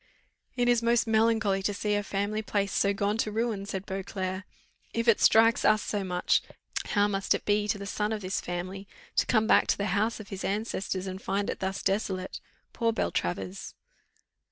"It is most melancholy to see a family place so gone to ruin," said Beauclerc; "if it strikes us so much, what must it be to the son of this family, to come back to the house of his ancestors, and find it thus desolate! Poor Beltravers!"